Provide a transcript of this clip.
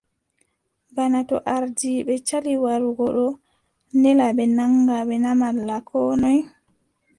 Bana to ardiiɓe cali warugo, ɓe nela ɓe naŋga ɓe na malla koo noy ?